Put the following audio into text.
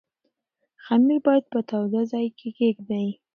خمیر باید په تاوده ځای کې کېږدئ.